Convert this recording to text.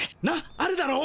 あるだろう